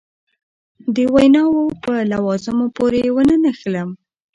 د ویناوو په لوازمو پورې ونه نښلم.